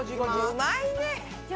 うまいね。